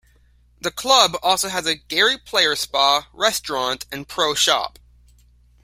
The club also has a Gary Player Spa, restaurant and pro shop.